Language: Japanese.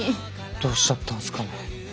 どうしちゃったんですかね。